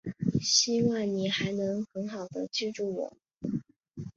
希望你还能很好地记住我。